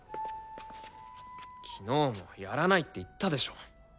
昨日もやらないって言ったでしょ。